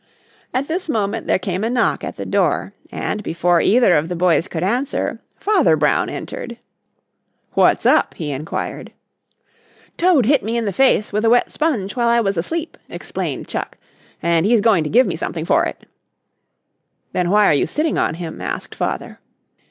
At this moment there came a knock at the door and before either of the boys could answer Father Brown entered. "What's up?" he inquired. "Toad hit me in the face with a wet sponge while I was asleep," explained Chuck, "and he's going to give me something for it." "Then why are you sitting on him?" asked Father.